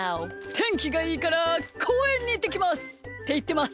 「てんきがいいからこうえんにいってきます」っていってます。